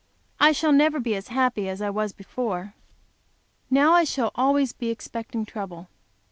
I shall never be as happy as I was before. Now I shall always be expecting trouble.